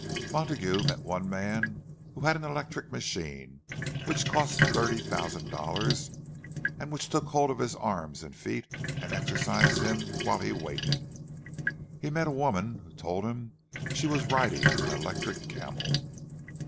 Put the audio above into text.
Montague met one man who had an electric machine, which cost thirty thousand dollars, and which took hold of his arms and feet and exercised him while he waited. He met a woman who told him she was riding an electric camel!